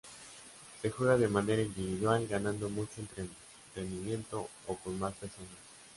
Se juega de manera individual ganando mucho entretenimiento o con más personas.